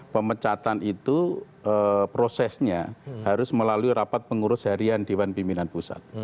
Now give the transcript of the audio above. pemecatan itu prosesnya harus melalui rapat pengurus harian dewan pimpinan pusat